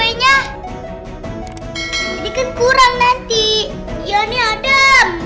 orang juga nyusun helen ini presiden